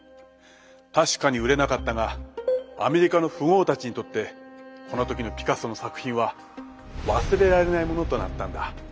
確かに売れなかったがアメリカの富豪たちにとってこの時のピカソの作品は忘れられないものとなったんだ。